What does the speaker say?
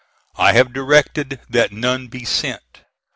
I have directed that none be sent.